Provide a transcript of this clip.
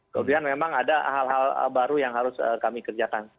kemudian memang ada hal hal baru yang harus kami kerjakan